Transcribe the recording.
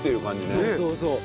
そうそうそう。